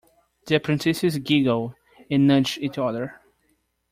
The apprentices giggle, and nudge each other.